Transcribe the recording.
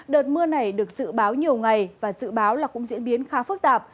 đợt mưa này được dự báo nhiều ngày và dự báo là cũng diễn biến khá phức tạp